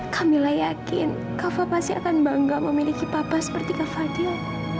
kamilah yakin kava pasti akan bangga memiliki papa seperti kavadil